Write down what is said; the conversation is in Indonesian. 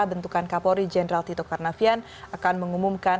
bentukan kapolri jenderal tito karnavian akan mengumumkan